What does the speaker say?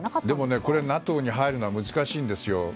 でもね、ＮＡＴＯに入るのは難しいんですよ。